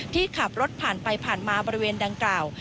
ที่ขับรถผ่านไปผ่านมาบริเวณดังกล่าว